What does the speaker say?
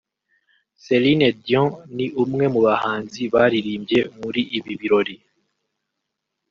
Celine Dion ni umwe mu bahanzi baririmbye muri ibi birori